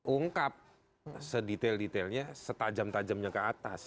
ungkap sedetail detailnya setajam tajamnya ke atas